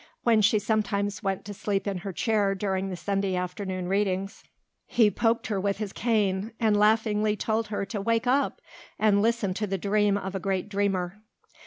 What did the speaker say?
When she sometimes went to sleep in her chair during the Sunday afternoon readings he poked her with his cane and laughingly told her to wake up and listen to the dream of a great dreamer.